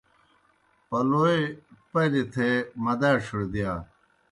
پلوئے پَریْ تھے مداڇِھیؤڑ دِیا۔